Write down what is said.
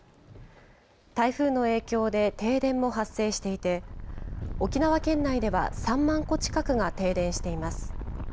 台風の影響で停電も発生していて、沖縄県内では３万戸近くが停電しています。